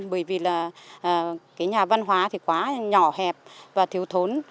bởi vì là cái nhà văn hóa thì quá nhỏ hẹp và thiếu thốn